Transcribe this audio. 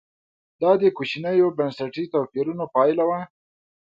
دا د کوچنیو بنسټي توپیرونو پایله وه.